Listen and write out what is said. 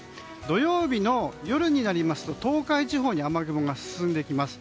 土曜日の夜になりますと東海地方に雨雲が進んでいきます。